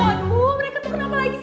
waduh mereka tuh kenapa lagi sih